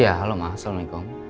ya halo ma assalamualaikum